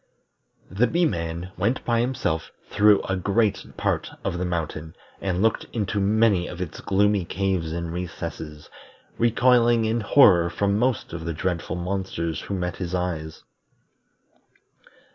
The Bee man went by himself through a great part of the mountain, and looked into many of its gloomy caves and recesses, recoiling in horror from most of the dreadful monsters who met his eyes.